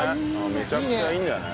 めちゃくちゃいいんじゃない？